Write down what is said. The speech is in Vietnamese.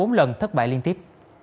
những lần thất bại liên tiếp